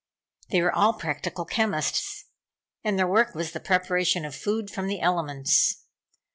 They were all practical chemists, and their work was the preparation of food from the elements.